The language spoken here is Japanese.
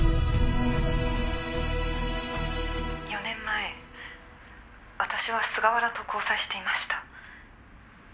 「４年前私は菅原と交際していました」